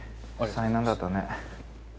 災難だったね。